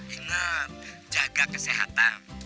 ingat jaga kesehatan